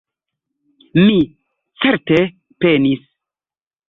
Mi, certe, penis.